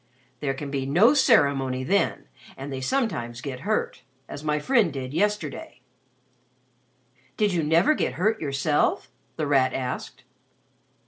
There can be no ceremony then and they sometimes get hurt as my friend did yesterday." "Did you never get hurt yourself?" The Rat asked.